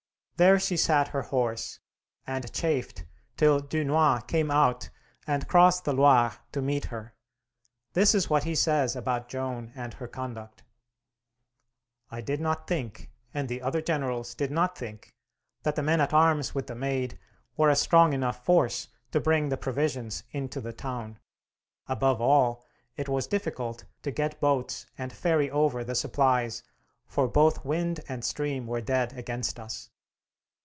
There she sat her horse and chafed till Dunois came out and crossed the Loire to meet her. This is what he says about Joan and her conduct: "I did not think, and the other generals did not think, that the men at arms with the Maid were a strong enough force to bring the provisions into the town. Above all, it was difficult to get boats and ferry over the supplies, for both wind and stream were dead against us.